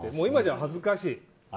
今じゃ恥ずかしい。